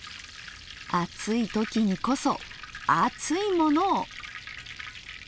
暑い時にこそ熱いものを！